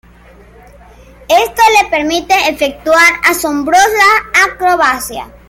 Esto le permite efectuar asombrosas acrobacias.